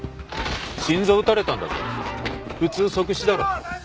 心臓撃たれたんだぜ普通即死だろ。